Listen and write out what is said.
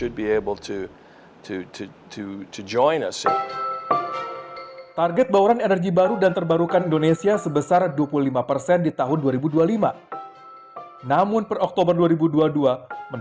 dan kemungkinan mereka tidak bisa mencapai keuntungan mereka